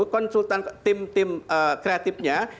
konsultan tim tim kreatifnya